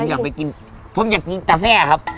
อยากไปกินผมอยากกินกาแฟครับ